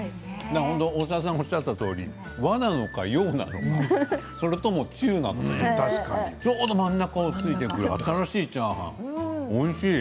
大沢さんがおっしゃったとおり和なのか洋なのか中なのかちょうど真ん中をついていて新しいチャーハン。